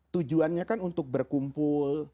tujuannya kan untuk berkumpul